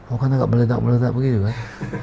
oh kan agak meledak meledak begitu kan